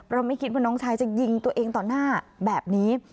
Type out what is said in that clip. ไม่คิดว่าน้องชายจะยิงตัวเองต่อหน้าแบบนี้